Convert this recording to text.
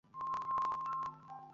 আমার মেয়ে গতকাল রাত থেকে নিখোঁজ।